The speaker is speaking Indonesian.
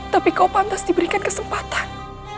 tapi kau pantas diberikan kesempatan